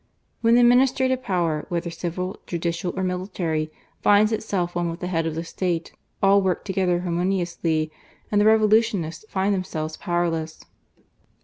When the administrative power, whether civil,, judicial, or military, finds itself one with the head of the State, all work together harmoniously, and the Revolutionists find themselves powerless.